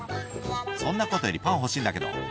そんなことよりパン欲しいんだけど。